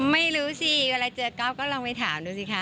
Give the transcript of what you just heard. ไม่รู้สิเวลาเจอก๊อฟก็ลองไปถามดูสิคะ